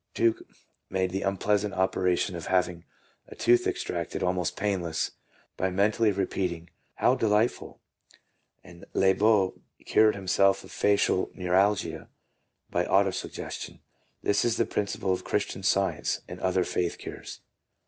Tuke made the unpleasant operation of having a tooth extracted almost painless by mentally repeating, " How de lightful!" and Liebeault cured himself of facial neuralgia by auto suggestion. This is the principle of Christian science and other faith cures.